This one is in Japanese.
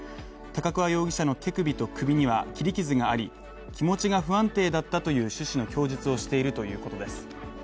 高桑容疑者の手首と首には切り傷があり気持ちが不安定だったという趣旨の供述をしているということです。